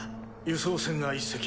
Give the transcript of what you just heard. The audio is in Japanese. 輸送船が１隻。